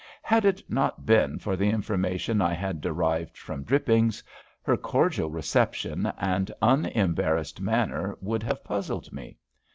Had it not been for the information I had derived from Drippings, her cordial reception and unembarrassed manner would have puzzled me.